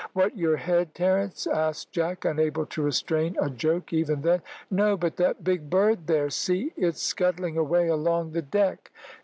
"What, your head, Terence?" asked Jack, unable to restrain a joke even then. "No, but that big bird there; see it's scuttling away along the deck."